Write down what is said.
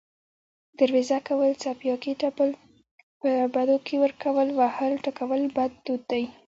دروېزه کول، څپياکې تپل، په بدو کې ورکول، وهل، ټکول بد دود دی